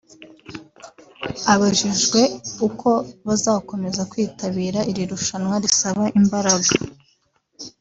Abajijwe uko bazakomeza kwitabira iri rushanwa risaba imbaraga